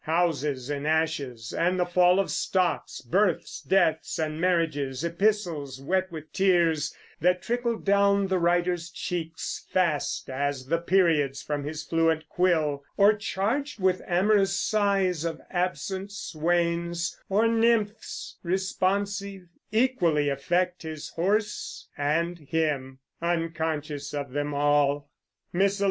Houses in ashes, and the fall of stocks, Births, deaths, and marriages, epistles wet With tears that trickled down the writer's cheeks Fast as the periods from his fluent quill, Or charged with amorous sighs of absent swains, Or nymphs responsive, equally affect His horse and him, unconscious of them all.